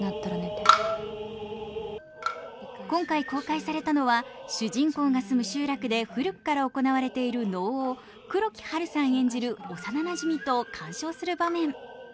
今回公開されたのは主人公が住む集落で古くから行われている能を黒木華さん演じる幼なじみと鑑賞する場面。